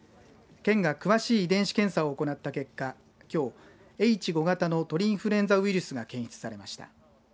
県が詳しい遺伝子検査を行った結果きょうＨ５型の鳥インフルエンザウイルスが検出されました。